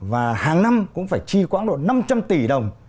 và hàng năm cũng phải chi khoảng độ năm trăm linh tỷ đồng